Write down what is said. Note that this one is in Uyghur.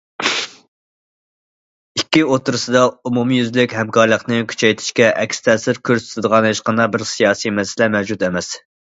ئىككى ئوتتۇرىسىدا ئومۇميۈزلۈك ھەمكارلىقنى كۈچەيتىشكە ئەكس تەسىر كۆرسىتىدىغان ھېچقانداق بىر سىياسىي مەسىلە مەۋجۇت ئەمەس.